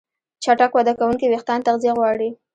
چټک وده کوونکي وېښتيان تغذیه غواړي.